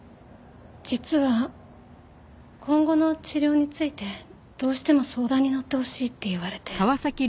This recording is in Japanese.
実は今後の治療についてどうしても相談にのってほしいって言われて。